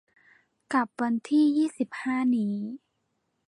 กลับวันที่ยี่สิบห้านี้